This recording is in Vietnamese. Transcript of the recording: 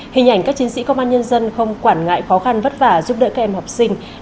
hình ảnh các chiến sĩ công an nhân dân không quản ngại khó khăn vất vả giúp đỡ các em học sinh